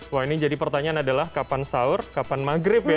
wah ini jadi pertanyaan adalah kapan sahur kapan maghrib ya